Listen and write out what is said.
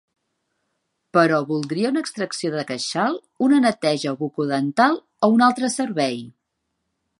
Però voldria una extracció de queixal, una neteja bucodental o un altre servei?